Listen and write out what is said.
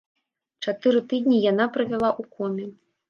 Чатыры тыдні яна правяла ў коме.